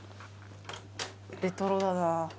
レトロだな。